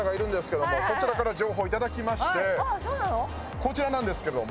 こちらなんですけども。